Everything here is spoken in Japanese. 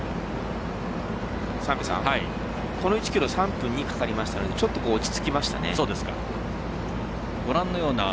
この１ｋｍ３分２かかりましたのでちょっと落ち着きました。